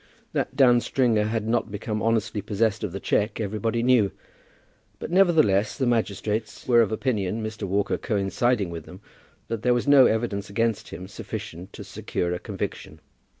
That Dan Stringer had not become honestly possessed of the cheque, everybody knew; but, nevertheless, the magistrates were of opinion, Mr. Walker coinciding with them, that there was no evidence against him sufficient to secure a conviction.